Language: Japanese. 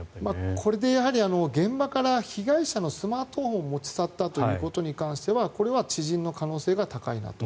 これで現場から被害者のスマートフォンを持ち去ったということに関してはこれは知人の可能性が高いなと。